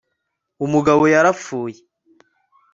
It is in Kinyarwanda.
Umugabo yarapfuye